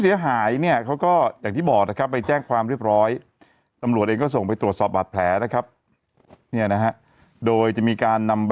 เปลี่ยนเรื่องเอาเข้าเรื่องนี้ดีกว่า